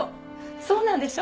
そうなんでしょ？